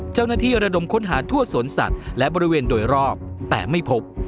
ระดมค้นหาทั่วสวนสัตว์และบริเวณโดยรอบแต่ไม่พบ